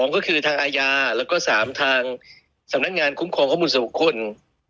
ก็คือทางอาญาแล้วก็๓ทางสำนักงานคุ้มครองข้อมูลส่วนบุคคล